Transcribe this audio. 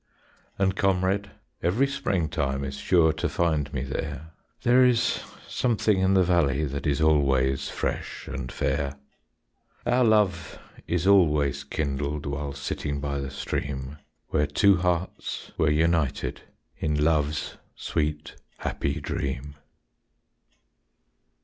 And comrade, every springtime Is sure to find me there; There is something in the valley That is always fresh and fair. Our love is always kindled While sitting by the stream, Where two hearts were united In love's sweet happy dream.